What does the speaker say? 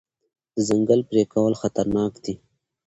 د ځنګل پرې کول خطرناک دي.